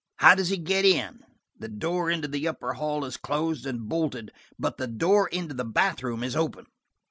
How does he get in? The door into the upper hall is closed and bolted, but the door into the bath room is open.